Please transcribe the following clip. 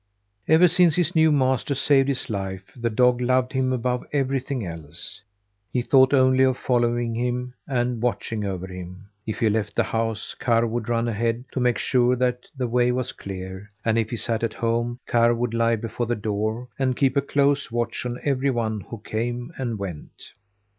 Ever since his new master saved his life the dog loved him above everything else. He thought only of following him and watching over him. If he left the house, Karr would run ahead to make sure that the way was clear, and if he sat at home, Karr would lie before the door and keep a close watch on every one who came and went.